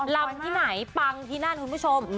ลำที่ไหนปังที่นั่นคุณผู้ชม